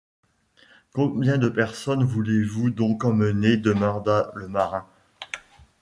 Combien de personnes voulez-vous donc emmener ? demanda le marin